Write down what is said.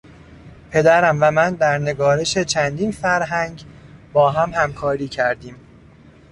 پدرم و من در نگارش چندین فرهنگ با هم همکاری کردیم.